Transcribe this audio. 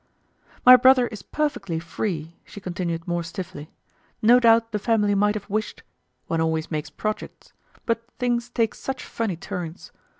"My brother is perfectly free," she continued more stiffly. "No doubt the family might have wished—one always makes projects. But things take such funny turns.